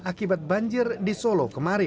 akibat banjir di solo